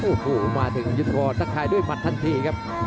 โอ้โหมาถึงยุทธพรตะคายด้วยหมัดทันทีครับ